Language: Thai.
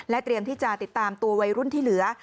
เตรียมที่จะติดตามตัววัยรุ่นที่เหลือ